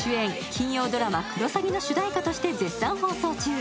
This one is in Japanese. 金曜ドラマ「クロサギ」の主題歌として絶賛放送中。